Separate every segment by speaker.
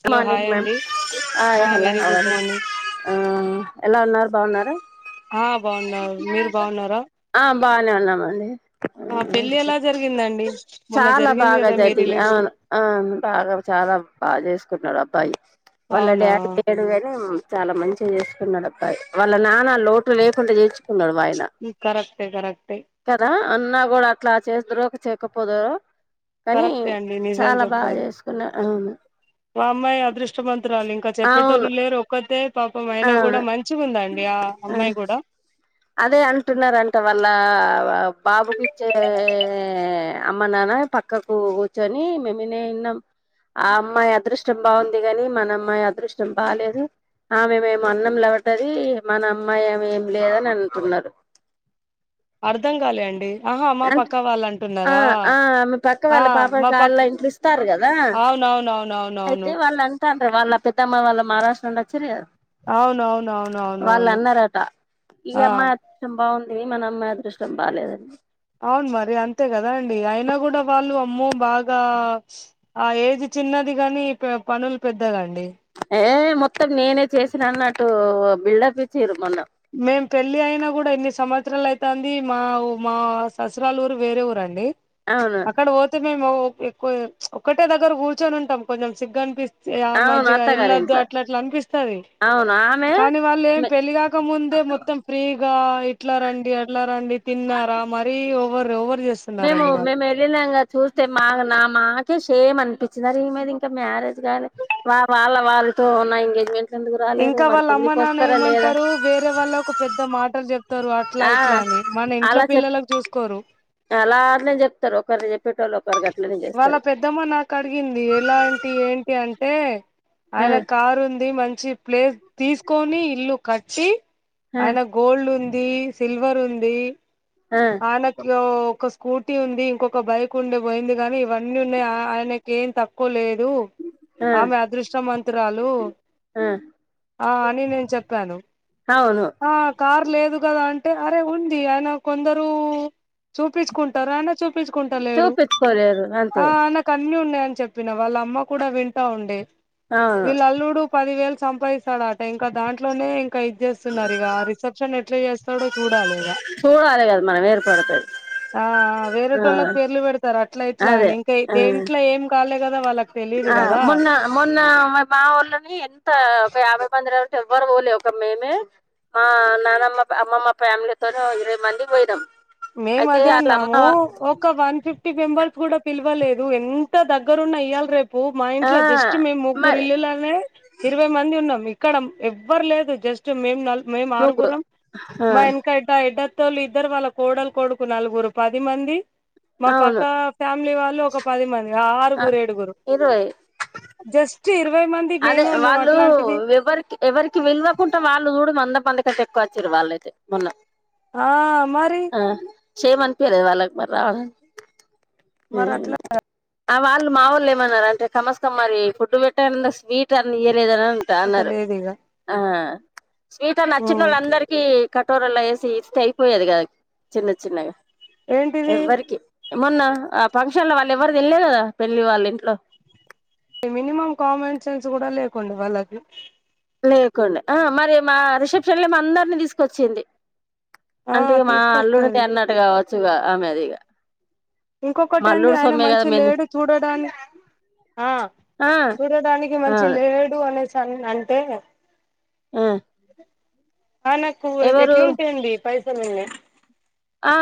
Speaker 1: Good
Speaker 2: hello hi
Speaker 1: morning ma'am
Speaker 2: అండి
Speaker 1: ఆయ్
Speaker 2: ఆ
Speaker 1: hello
Speaker 2: very
Speaker 1: how
Speaker 2: good
Speaker 1: are you
Speaker 2: morning
Speaker 1: ఆ ఎలా ఉన్నారు బావున్నారా
Speaker 2: ఆ బావున్నాను మీరు బావున్నారా
Speaker 1: ఆ బాగనే ఉన్నామండి
Speaker 2: పెళ్లి ఎలా జరిగిందండి మొన్న
Speaker 1: చాలా
Speaker 2: జరిగింది
Speaker 1: బాగా
Speaker 2: కదా మీ
Speaker 1: జదివి
Speaker 2: రిలేషన్
Speaker 1: అవును అవును బాగ చాలా బాగ జేసుకున్నాడు అబ్బాయి వాళ్ళ
Speaker 2: అవునా
Speaker 1: డ్యాడీ లే డుగనీ చాలా మంచిగ జేసుకున్నాడుబ్బాయి వాళ్ళ నాన లోటు లేకుండా జేసు కున్నడు మాయన
Speaker 2: కరెక్టే కరెక్టే
Speaker 1: కదా అన్నా కూడా అట్లా చేస్దురో చేయకపోదురో కనీ
Speaker 2: కరెక్టే అండి నిజం
Speaker 1: చాలా బాగ
Speaker 2: చెప్పారు
Speaker 1: జేసుకున్న అవును
Speaker 2: మా అమ్మాయి అదృష్టమంతరాలింక
Speaker 1: అవును
Speaker 2: చెప్పేటోళ్ళు లేరు క్కతే పాపం అయినా
Speaker 1: అవును
Speaker 2: గూడా మంచిగుందండి ఆ అమ్మాయి గూడ
Speaker 1: అదే అంటున్నారంట వాళ్ళా బాబుకిచ్చే అమ్మ నాన పక్ కకూ కూర్చొని మేమి నే ఇన్నం ఆ అమ్మాయి అదృష్టం బాగుంది గని మన అమ్మాయి అదృష్టం బాలేదు ఆమె మేమో అన్నంలవడ్డదీ మన అమ్మాయేమో ఏం లేదననుకున్నరు
Speaker 2: అర్ధంగాలే అండి ఆహా మా
Speaker 1: అంట్
Speaker 2: పక్క వాళ్ళు
Speaker 1: ఆ
Speaker 2: అంటున్నారా
Speaker 1: ఆ ఆమె పక్క
Speaker 2: ఆ
Speaker 1: వాళ్ళ
Speaker 2: మా పక్
Speaker 1: పాపకాళ్ళ ఇంట్ర్స్ వస్తారు గదా అయితే
Speaker 2: అవునవునవునవునవును
Speaker 1: వాళ్ళ త్తంట వాళ్ళ పెద్దమ్మ వాళ్ళ మారాష్ట్రానుండచ్చిరు గదా
Speaker 2: అవునవునవునవునవును
Speaker 1: వాళ్ళన్నరట
Speaker 2: ఆ
Speaker 1: ఈయమ్మాయ దృష్టం బాగుంది మనమ్మాయి అదృష్టం బాలేదని
Speaker 2: అవును మరి అంతే గదా అండి అయినా గూడ వాళ్ళు అమ్మో బాగా ఆ ఏజ్ చిన్నది గనీ ప పనులు పెద్దగాండి
Speaker 1: ఏ మొత్తం నేనే చేసినన్నట్టూ బిల్డప్పిచ్చీరు మొన్న
Speaker 2: మేం పెళ్ళి అయినా గూడా ఇన్ని సంవత్సరాలు అయితాంది మాఉ మా అసరలూరు వేరే ఊరండి
Speaker 1: అవును
Speaker 2: అక్కడ పోతే మేము ఎక్కువ ఒక్కటే దగ్గర కూర్చొని ఉంటం కొంచం సిగ్గన్పిస్ ఏ ఆ
Speaker 1: అవును
Speaker 2: మంచిగ
Speaker 1: అత్తగారి
Speaker 2: వెల్ళద్దు
Speaker 1: ఇంట్లో
Speaker 2: అట్లట్ల అనిపిస్తది
Speaker 1: అవును ఆమె
Speaker 2: కాని వాళ్లేం పెళ్ళగా ముందే మొత్తం ఫ్రీగా ఇట్లారండి అట్లారండి తిన్నారా మరీ ఓవర్ ఓవర్ జేస్
Speaker 1: మేమూ మేమె భిన్నంగా చూస్తే మా నా మాకే షేమనిపిచ్చిన్ అరె ఈమెది ఇంక మ్యారేజ్ గాలె వా వాళ్ళ వాళ్ళతో నా ఎంగేజ్మెంట్ ఎందుకు రాలేదు
Speaker 2: ఇంక
Speaker 1: మరి పెళ్ళికి
Speaker 2: వాళ్ళమ్మానాన్న
Speaker 1: వస్తారా లేదా
Speaker 2: ఏమంటరు వేరే వాళ్ళకు పెద్ద మాటల్ జెప్తరు అట్ల
Speaker 1: ఆ
Speaker 2: ఇట్లని మన ఇంట్ల పిల్లలకు జూసుకోరు
Speaker 1: అలాట్లె జెప్తరు ఒకరిని చెప్పేటోళ్ళు ఒకరు గట్లనే జేస్తరు
Speaker 2: ఇంతకుముందు నాకడిగింది ఎలాంటి ఏంటి అంటే
Speaker 1: ఆ
Speaker 2: ఆయన కారుంది మంచి ప్లేస్ తీసుకోని ఇల్లు కట్టి
Speaker 1: ఆ
Speaker 2: ఆయన గోల్డుందీ సిల్వర్ ఉంది
Speaker 1: అ
Speaker 2: ఆయనకి ఓ ఒక స్కూటీ ఉంది. ఇంకొక బైక్ ఉండే పోయింది గాని ఇవన్నీ ఉన్నయ్ ఆ ఆయనకే ఏం తక్కువ లేదు
Speaker 1: ఆ
Speaker 2: ఆమె అదృష్ట మంతురాలు
Speaker 1: ఆ
Speaker 2: అని నేను చెప్పాను.
Speaker 1: అవును
Speaker 2: ఆ కారు లేదు గదా అంటే అరే ఉంది ఆయన కొందరు చూపించుకుంటారు అయన చూపించుకుంటలేడు
Speaker 1: చూపించుకోలేరు
Speaker 2: ఆ
Speaker 1: అంతే
Speaker 2: ఆయన కన్నీ ఉన్నాయని చెప్పినా వాళ్ళ అమ్మ కూడా వింటా ఉండె
Speaker 1: అవును
Speaker 2: వీళ్ళ అల్లుడు పదివేలు సంపాదిస్తాడట ఇంకా దాంట్లోనే ఇంకా ఇది జేసి స్తున్నారీగా రిసెప్షన్ ఎట్ల చేస్తడో చూడాలి ఇగ
Speaker 1: చూడాలె గదా మనం వేరుపడితే.
Speaker 2: ఆ ఆ వేరేటోళ్ళక్ పేర్లు వెడతరు. అట్లా ఇట్లా
Speaker 1: అదే
Speaker 2: అని ఇంకా
Speaker 1: ఆ
Speaker 2: దేంట్ల ఏం కాలే కదా వాళ్ళకు
Speaker 1: ఆ మొన్న మొన్న మా ఓ వో ళ్ళని ఎంత ఒక యాభై మందినడిగితే ఎవ్వరు పోలే ఒక మేమే మా నానమ్మ అమ్మమ్మ ఫ్యామిలీతోనే ఓ ఇరవై మంది పోయినాము.
Speaker 2: మేమదే అన్నాము ఓక్ ఒక్క వన్ ఫిఫ్టీ మెంబర్ కూడా పిలవలేదు. ఎంత దగ్గరున్నా ఇయ్యాల రేపు పూ మా
Speaker 1: ఆ
Speaker 2: ఇంట్లో జస్ట్ మేమ్
Speaker 1: మరి
Speaker 2: ముగ్గురిల్లులోనే ఇరవై మంది ఉన్నాం ఇక్కడ ఎవ్వరు లేదు జస్ట్ మేం
Speaker 1: ముగ్గు
Speaker 2: ఆరుగురం
Speaker 1: ఆ
Speaker 2: మా ఎన్ కయ్యితే ఐదు అత్తోళ్లు ఇద్దరు వాళ్ళు కోడలు కొడుకు నలుగురు పది మంది. మా
Speaker 1: అవును
Speaker 2: పక్కా ఫ్యామిలీ వాళ్ళు ఒక పది మంది
Speaker 1: ఆ
Speaker 2: ఆరుగురు ఏడుగురు
Speaker 1: ఇరవై
Speaker 2: జస్ట్ ఇరవై మంది
Speaker 1: అదే
Speaker 2: మేమే ఉన్నాం
Speaker 1: వాళ్ళు
Speaker 2: అట్లాంటిది
Speaker 1: ఎవ్వరికి ఎవరికి పిలువాకుంటే వాళ్ళు జూడు మంద పంద కంటే ఎక్కువచ్చిరు వాళ్లయితే మొన్న.
Speaker 2: ఆ మరి
Speaker 1: అ షేమ్ అనిపియలే వాళ్ళకు మరి రావడానికి
Speaker 2: మరి
Speaker 1: మ్
Speaker 2: అట్లా
Speaker 1: ఆ వాళ్ళు మా వోళ్ళు ఏమన్నారంటే సమస్తం మరి ఫుడ్డు పెట్టిన్నా స్వీట్ అన్న ఇయ్వలేదన్న తాన్నరు
Speaker 2: లేదు ఇక
Speaker 1: ఆ స్వీట్ అన్న నచ్చినోళ్ళందరికి కటోరలో వేసి ఇస్తే అయిపోయది గా చిన్న చిన్నగా
Speaker 2: ఏంటిది
Speaker 1: ఎవ్వరికి మొన్న ఆ ఫంక్షన్ ల వాళ్ళేవరూ తినలే గదా పెళ్ళి వాళ్ళింట్లో
Speaker 2: మినిమం కామెన్సెన్స్ గూడ లేకుండే వాళ్ళకు
Speaker 1: లేకుండె. ఆ మరి మా రిసెప్షన్ లో అందరిని తీసుకొచ్చింది.
Speaker 2: ఆ
Speaker 1: అంటే ఇగ మా అల్లుడిది
Speaker 2: తీసుకొస్తది
Speaker 1: అన్నట్టు కావచ్చు ఇగ ఆమెదిగ
Speaker 2: ఇంకొకటి ఏంది ఆయన మంచి లేడు చూడడానికి ఆ
Speaker 1: ఆ
Speaker 2: చూడడానికి మంచి
Speaker 1: అవును
Speaker 2: లేడు అనేసాను అని అంటే
Speaker 1: మ్
Speaker 2: ఆ ఆయనకు ఎట్లుంటేంది పైసలున్నాయి.
Speaker 1: ఆ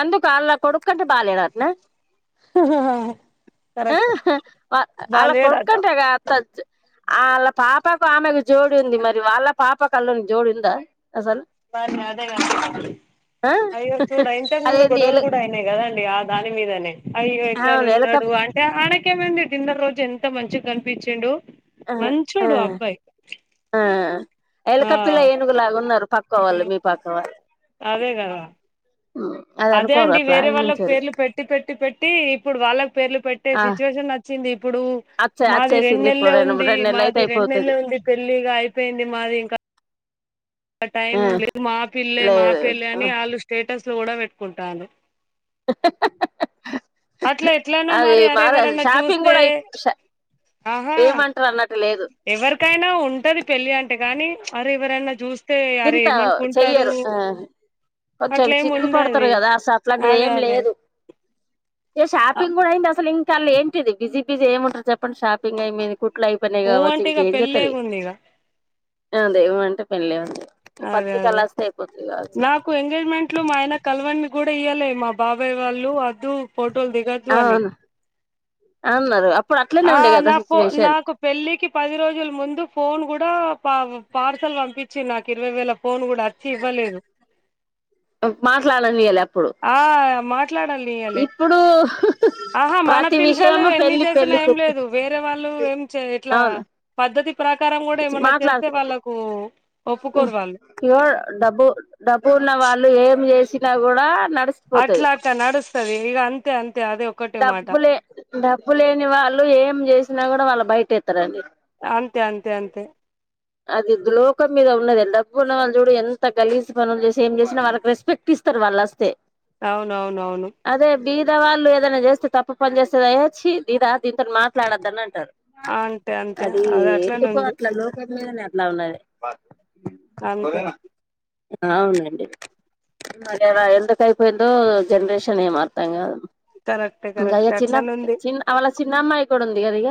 Speaker 1: అందుకా ఆళ్ల కొడుక్కంటే బాలేడట్నా
Speaker 2: హహహ్
Speaker 1: ఆహ్ వ ఆల
Speaker 2: బాలేడట
Speaker 1: కొడుక్కంటే గా తచ్చ ఆళ్ళ పాపకు ఆమెకు జోడి ఉంది. మరి వాళ్ళ పాప అల్లుని జోడు ఉందా అసలు?
Speaker 2: బా అదే గా
Speaker 1: ఆ
Speaker 2: అయ్యో చూడా ఇంతకు ముందు
Speaker 1: అదేంది
Speaker 2: గొడవలు
Speaker 1: ఎలు
Speaker 2: గూడ అయినాయి. కదండి ఆ దాని మీదనే అయ్యో ఎట్నే
Speaker 1: అవును ఎలక
Speaker 2: ఉన్నాడు అంటే ఆయనకేమైంది డిన్నర్ రోజు ఎంత మంచిగా కనిపించుండు
Speaker 1: ఆ
Speaker 2: మంచి
Speaker 1: ఆ
Speaker 2: అబ్బాయి.
Speaker 1: ఆ
Speaker 2: ఆ
Speaker 1: ఎలక పిల్ల ఏనుగులాగా ఉన్నారు పక్క వాళ్ళు మీ పక్క వాళ్ళు
Speaker 2: అదే కదా
Speaker 1: ఆ
Speaker 2: అదే అండి వేరే వాళ్ళకి పేర్లు పెట్టి పెట్టి పెట్టి ఇప్పుడు వాళ్ళకి పేర్లు పె
Speaker 1: ఆ
Speaker 2: సిచ్యువేషన్ అచ్చింది ఇప్పుడు
Speaker 1: అచ్చ
Speaker 2: మాది రెండు
Speaker 1: అచ్చేసింది ఇప్పుడు
Speaker 2: నెల్లే
Speaker 1: రెండు
Speaker 2: ఉంది
Speaker 1: రెండు నెలలు అయితే
Speaker 2: మాది రెండు
Speaker 1: అయిపోతది
Speaker 2: నెలలే ఉంది పెళ్లి ఇగ అయిపోయింది మాది ఇంకా టైం
Speaker 1: ఆ
Speaker 2: లేదు మా పిల్లే మా
Speaker 1: లేదు
Speaker 2: పిల్లే అని ఆళ్ళు స్టేటస్ లో కూడా పెట్టుకుంటాను ఎట్లానో
Speaker 1: అది
Speaker 2: అరే
Speaker 1: మరి
Speaker 2: ఎవరన్నా
Speaker 1: షాపింగ్
Speaker 2: చూస్తే
Speaker 1: కూడా అయి ష
Speaker 2: ఆహా
Speaker 1: ఏ మాట్టాడిన్నట్టు లేదు
Speaker 2: ఎవరికైనా ఉంటది పెళ్ళి అంటే కానీ మరి ఎవరైనా చూస్
Speaker 1: ఇంత చెయ్యరు ఆ కొంచెం
Speaker 2: అట్లేమి
Speaker 1: చిగ్గు పడతారు
Speaker 2: ఉండది
Speaker 1: కదా అసలు అట్లాంటిది
Speaker 2: అదే
Speaker 1: ఏం
Speaker 2: అదే
Speaker 1: లేదు ఏ
Speaker 2: ఆ,
Speaker 1: షాపింగ్ కూడా అయింది అసలు ఇంకాల్ ఏంటిది బిజీ బిజీ ఏమి ఉంటారు చెప్పండి షాపింగ్ అయి మీ కుట్లు అయిపోయినాయి
Speaker 2: ఊ
Speaker 1: గావచ్చు
Speaker 2: అంటే
Speaker 1: ఇంక
Speaker 2: ఇక
Speaker 1: ఏం చెత్తది
Speaker 2: పెళ్ళేగుంది ఇక
Speaker 1: అదేమంటే పెళ్లి ఉంది ఈ పత్రికలు వస్తే అయిపోతుంది కావాచ్చు
Speaker 2: కో ఎంగేజ్మెంట్ లో మా ఆయన కలవన్నీ కూడా ఇయ్వాలి మా బాబాయ్ వాళ్ళు వద్దు ఫోటోలు దిగ
Speaker 1: అవును అవున్నారు అప్పుడు అట్లనే
Speaker 2: ఆ
Speaker 1: ఉండే కదా
Speaker 2: నా ఫో
Speaker 1: సిచ్యువేషన్
Speaker 2: నాకు పెళ్ళికి పది రోజుల ముందు ఫోన్ కూడా పా పార్సల్ పంపించి నాకి ఇరవై వేల ఫోన్ కూడా చి ఇవ్వలేదు
Speaker 1: మాట్లాడనియల అప్పుడు
Speaker 2: ఆ మాట్లాడాలి అలే
Speaker 1: ఇప్పుడు
Speaker 2: ఆహా మన
Speaker 1: ప్రతి
Speaker 2: పిల్లలు
Speaker 1: విషయము
Speaker 2: ఎన్ని
Speaker 1: పెళ్లి
Speaker 2: చేస్ తను
Speaker 1: పెళ్లి
Speaker 2: ఏం లేదు వేరే వాళ్ళు ఏం చే ఇట్లా
Speaker 1: అవును
Speaker 2: పద్ధతి ప్రకారం కూడా ఏమన్నా చేస్తే
Speaker 1: మాట్లాడుత
Speaker 2: వాళ్ళకు ఒప్పుకోరు వాళ్ళు
Speaker 1: ఇవ డబ్బు డబ్బు ఉన్నవాళ్ళు ఏం చేసినా కూడా నడుస్
Speaker 2: అట్లా అట్లా నడుస్తది ఇగ అంతే అంతే అదే ఒక్కటే మాట
Speaker 1: డబ్బులే డబ్బులేని వాళ్ళు ఏం చేసినా కూడా వాళ్ళు బయట ఎత్తరండి
Speaker 2: అంతే అంతే అంతే
Speaker 1: అది గ్రోకం మీద ఉన్నది డబ్బు ఉన్న వాళ్ళు చూడు ఎంత గలిసి పనులు చేసి ఏం చేసినా వాళ్ళకి రెస్పెక్ట్ ఇస్ త్తర్ వల్ వస్తే
Speaker 2: అవునవునవును
Speaker 1: అదే బీదవాళ్ళు ఏదైనా చేస్తే తప్పు పని చేస్తే ఏ చీ దీదా దీంతో మాట్లాడొద్దని అంటారు
Speaker 2: అంతే అంతే
Speaker 1: అది
Speaker 2: అట్లనే
Speaker 1: ఎందుకు
Speaker 2: ఉంది
Speaker 1: అట్లలు ముందున అట్లా ఉన్నది
Speaker 2: అంతే
Speaker 1: అవునండి నా ఎలా ఎందుకైపోయిందో జనరేషన్ ఏం అర్థం కాదు
Speaker 2: కరెక్టే
Speaker 1: ఇంకా ఇక
Speaker 2: కరెక్టే
Speaker 1: చిన్న
Speaker 2: అట్లనే ఉంది
Speaker 1: చిన్న అళ్ళ చిన్న అమ్మాయి కూడా ఉంది కద ఇగ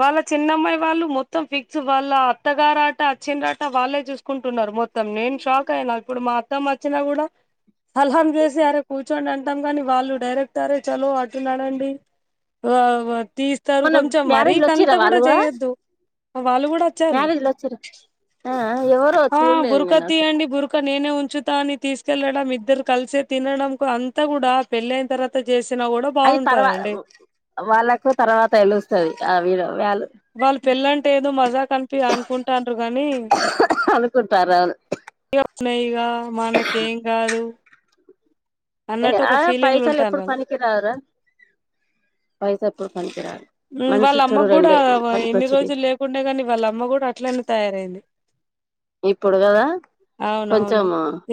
Speaker 2: వాళ్ళ చిన్నమ్మాయి వాళ్ళు మొత్తం ఫిక్స్ వాళ్ళ అత్తగారాట చిన్నట వాళ్ళే చూస్ కుంటున్నారు మొత్తం నేను షాక్ అయిన ఇప్పుడు మా అత్తమ్మ వచ్చినా కూడా సలహం చేసి అరే కూర్చోండి అంటాం కాని వాళ్ళు డైరెక్ట్ అరే చలో అటున్నాడండి ఆ తీస్తారు
Speaker 1: మొన్న
Speaker 2: కొంచెం
Speaker 1: మ్యారేజ్లు
Speaker 2: మరీకంత
Speaker 1: వచ్చిరా
Speaker 2: కూడా
Speaker 1: వాళ్ళు
Speaker 2: చేయొద్దు వాళ్ళు కూడా వచ్చారు
Speaker 1: మ్యారేజ్లు వచ్చిరా ఆ ఎవరో
Speaker 2: ఆ
Speaker 1: చూడలేదు నేను
Speaker 2: బురకతి
Speaker 1: అసలు
Speaker 2: అండి బురు క నేనే ఉంచుతా అని తీసుకెళ్లడం ఇద్దరు కలిసే తినడం అంతా కూడా పెళ్ళయిన తర్వాత చేసినా కూడా
Speaker 1: అది తర్వా
Speaker 2: బాగుంటదండి
Speaker 1: వాళ్ళకు తర్వాత తెలుస్తది ఆ వీరు వాళ్ళు
Speaker 2: వాళ్ళు పెళ్ళంటే ఏదో మజా కనిపి అనుకుంటన్నారు గానీ
Speaker 1: కుంటారా
Speaker 2: న్నాయిగా మనకేం కాదు అన్నట్టు ఒక
Speaker 1: ఏయా
Speaker 2: ఫీలింగ్లు
Speaker 1: పైసలు
Speaker 2: ఉంటాండ్రు
Speaker 1: ఎప్పుడు
Speaker 2: ఆళ్ళు.
Speaker 1: పనికిరా రా పైసా ఎప్పుడు పనికినికిరారు
Speaker 2: ఉమ్మ్ వాళ్ళ అమ్మ కూడా ఇన్ని రోజులు లేకుండే గాని వాళ్ళమ్మ కూడా అట్లనే తయారైంది
Speaker 1: ఇప్పుడు కదా కొంచెం
Speaker 2: అవునవును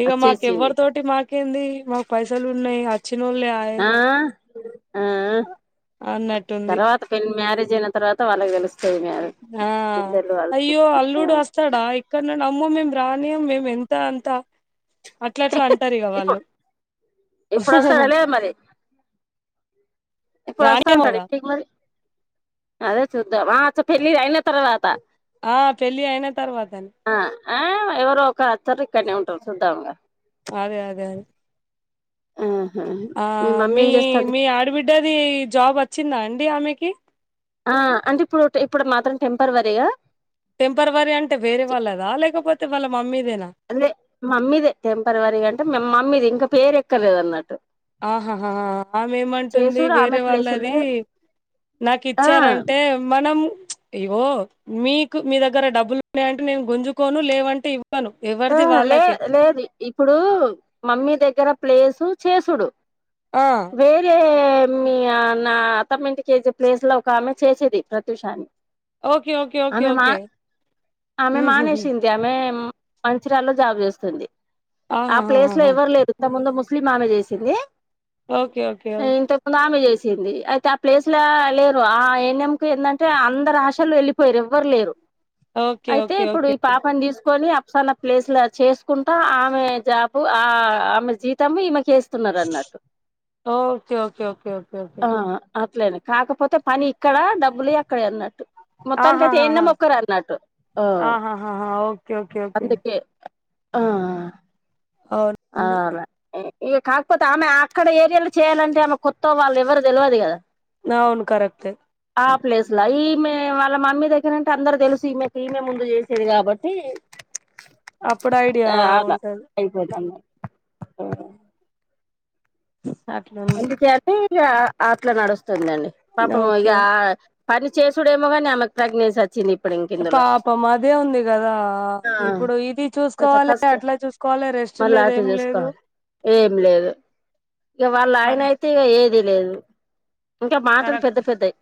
Speaker 2: ఇగ మాకు
Speaker 1: వచ్చేసింది
Speaker 2: ఎవరితోటి మాకేంది మాకు పైసలు ఉన్నాయి అ చ్చినోళ్ళు ఆయే
Speaker 1: ఆ
Speaker 2: అన్నట్టుంది
Speaker 1: పెన్ మ్యారేజ్ అయిన తర్వాత వాళ్ళకి తెలుస్తాది మ్యా
Speaker 2: ఆ అయ్యో అల్లుడు వ స్తాడా ఇక్కడ నుండి అమ్మో మేం రానీయం మేము ఎంత అంత అట్లట్లా అంటారు ఇగ వాళ్ళు
Speaker 1: ఇప్పుడు ఇప్పుడు వస్తాడా లేదు మరి ఇప్పుడు అస్తా
Speaker 2: రానియం
Speaker 1: అంటాడు
Speaker 2: కదా
Speaker 1: ఎందుకు మరి అదే చూద్దాం ఆ అచ్చ పెళ్లి అయిన తర్వాత
Speaker 2: ఆ పెళ్ళి అయిన తర్వాతనే
Speaker 1: ఆ ఆ ఎవరో ఒక అత్తర్రు ఇక్కనే ఉంటారు చుద్దాం ఇగ
Speaker 2: అదే అదే అదే
Speaker 1: ఆహా
Speaker 2: ఆ
Speaker 1: మమ్మీ
Speaker 2: మీ
Speaker 1: ఏం చేస్తాంది
Speaker 2: మీ ఆడబిడ్డది జాబ్ వచ్చిందా అండి ఆమెకి
Speaker 1: ఆ అంటే ఇప్పుడు ఇప్పుడు మాత్రం టెంపర్వరిగా
Speaker 2: టెంపర్వరీ అంటే వేరే వాళ్ళదా లేకపోతే వాళ్ళ మమ్మీ దేనా
Speaker 1: అదే మమ్మీదే టెంపర్వరీగా అంటే మమ్మీది ఇంకా పేరు ఎక్కలేదు అన్నట్టు
Speaker 2: ఆహాహా ఆమె ఏమంటుంది
Speaker 1: చేసుడు ఆమె
Speaker 2: వేరే వాళ్ళది
Speaker 1: ప్లేసులే
Speaker 2: నాకి
Speaker 1: ఆ
Speaker 2: ఇచ్చారంటే మనము ఇగో మీకు మీ దగ్గర డబ్బులు ఉన్నాయంటే నేను గుంజుకోను లేవంటే ఇవ్వను
Speaker 1: ఆ
Speaker 2: ఎవరిది
Speaker 1: లే
Speaker 2: వాళ్ళకే
Speaker 1: లేదు ఇప్పుడు మమ్మీ దగ్గర ప్లేసు చేసుడు
Speaker 2: ఆ
Speaker 1: వేరే మీ నా అత్తమ్మ ఇంటికి ఎసే ప్లేస్‌లో ఒక ఆమె చేసేది ప్రత్యూష అని
Speaker 2: ఓకే ఓకే ఓకే
Speaker 1: ఆమె మా
Speaker 2: ఓకే
Speaker 1: ఆమె
Speaker 2: ఉహుహు
Speaker 1: మానేసింది ఆమె మంచిర్యాల్లో జాబ్ చేస్తుంది ఆ ప్లేస్‌లో
Speaker 2: ఆహాహాహా
Speaker 1: ఎవరు లేదు ఇంతకు ముందు ముస్లిం ఆమె చేసింది
Speaker 2: ఓకే ఓకే ఓ
Speaker 1: ఇంతకు ముందు ఆమె చేసింది అయితే ఆ ప్లేస్‌లో లేరు ఆ ఎన్ఎంకు ఏందంటే అందరూ ఆశాలు ఎళ్లి పోయిరు ఎవ్వరు లేరు
Speaker 2: ఓకే
Speaker 1: అయితే
Speaker 2: ఓకే
Speaker 1: ఇప్పుడు
Speaker 2: ఓకే ఓకే
Speaker 1: ఈ పాపని తీసుకొని అ సన ప్లేస్‌లో చేసుకుంటా ఆమె జాబు ఆ ఆమె జీతం ఈమెకి ఏ స్తున్నారు అన్నట్టు
Speaker 2: ఓకే ఓకే ఓకే ఓకే
Speaker 1: ఆ అట్లేనే కాకపోతే పని ఇక్కడ డబ్బులు అక్కడ అన్నట్టు మొత్తానికైతే
Speaker 2: ఆహాహాహా
Speaker 1: ఏఎన్ఎం ఒక్కరే అన్నట్టు ఆ
Speaker 2: ఆఆ ఓ
Speaker 1: అందుకే ఆ
Speaker 2: అవున్
Speaker 1: ఆ అలా ఇగ కాక్పోతే ఆమె అక్కడ ఏరియాలో చేయాలంటే ఆమె కొత్త వాళ్ళు ఎవరు తెలువదు కదా
Speaker 2: అవును కరెక్టే
Speaker 1: ఆ ప్లేస్‌లా ఈమె వాళ్ళ మమ్మీ దగ్గరుంటే అందరు తెలుసు ఈమెకి ఈమె ముందు చేసేది కాబట్టి
Speaker 2: అప్పుడు ఐడియా ఉంటది
Speaker 1: అయిపోతాంది
Speaker 2: అట్లా
Speaker 1: ఇట్లనే ఇగ అట్లా నడుస్తుందండి పాపము ఇగ
Speaker 2: ఓకే
Speaker 1: పనిచేసుడు ఏమో గాని ఆమెకి ప్రెగ్నెన్సీ వచ్చింది ఇప్పుడు ఇంక ఇందులో
Speaker 2: పాపం అదే ఉంది కదా ఇప్పుడు ఇది
Speaker 1: కొంచెం
Speaker 2: చూసుకోవాలే
Speaker 1: కష్టం
Speaker 2: అట్లా చూస్ కోవలే రెస్ట్
Speaker 1: మళ్ళీ
Speaker 2: లేదు
Speaker 1: అటు
Speaker 2: ఏం లేదు
Speaker 1: చూసుకోవాలి ఏం లేదు ఇక వాళ్ళ ఆయన
Speaker 2: సరే
Speaker 1: అయితే ఇగ ఏది లేదు ఇంకా మాటలు పెద్ద పెద్దయి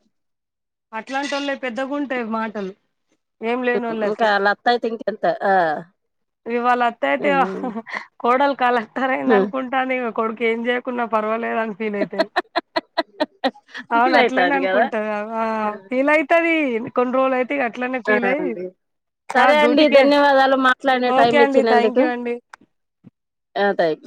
Speaker 2: అట్లాంటి వాళ్ళయే పెద్దగా ఉంటాయి మాటలు ఏం లేనోళ్ళకి
Speaker 1: ఇంకా లత్త అయితే ఇంకెంత ఆ
Speaker 2: ఇగ వళ్ళ అత్త అయితే కోడలు కలెక్టర్ అఇంది అనుకుంటాంది ఇగ కొడుకు ఏం చేయకున్నా పర్వాలేదు అని ఫీల్ అయితది అవును
Speaker 1: ఫీల్
Speaker 2: అట్లానే
Speaker 1: అయితాం కదా
Speaker 2: అనుకుంటాది ఆ ఫీల్ అయితాది కొన్ని రోజులు అయితే అట్లానే
Speaker 1: ఆ
Speaker 2: ఫీల్ అయి
Speaker 1: అండి
Speaker 2: ఆ
Speaker 1: సరే అండి
Speaker 2: డ్యూటీకే
Speaker 1: ధన్యవాదాలు మాట్లడే టైం
Speaker 2: ఓకే అండి థ్యాంక్
Speaker 1: ఇచ్చినందుకు
Speaker 2: యూ అండి
Speaker 1: ఆ థ్యాంక్